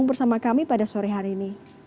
terima kasih mbak